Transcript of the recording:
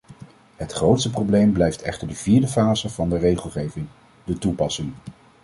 Het grootste probleem blijft echter de vierde fase van de regelgeving, de toepassing.